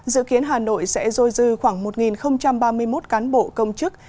dự kiến hà nội sẽ dôi dư khoảng một ba mươi một cán bộ công chức